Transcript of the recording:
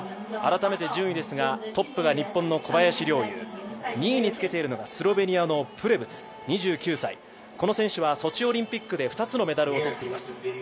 改めて順位ですが、トップが日本の小林陵侑２位につけているのがスロベニアのプレブツ、この選手はソチオリンピックで２つのメダルを取っています。